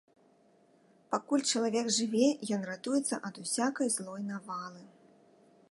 Пакуль чалавек жыве, ён ратуецца ад усякай злой навалы.